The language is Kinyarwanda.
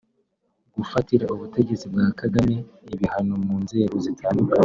Gufatira ubutegetsi bwa kagame ibihano mu nzego zitandukanye